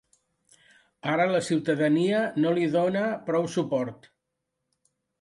Ara la ciutadania no li dóna prou suport.